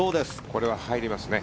これは入りますね。